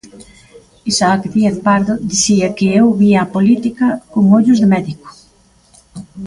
Isaac Díaz Pardo dicía que eu vía a política con ollos de médico.